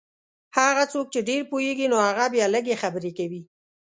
هغه څوک چې ډېر پوهېږي نو هغه بیا لږې خبرې کوي.